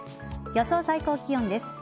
予想最高気温です。